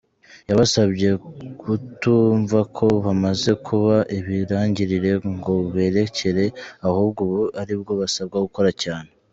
Yabasabye kutumva ko bamaze kuba ibirangirire ngo barekere, ahubwo ubu aribwo basabwa gukora cyane.